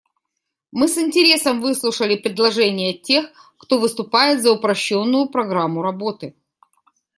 Мы с интересом выслушали предложения тех, кто выступает за упрощенную программу работы.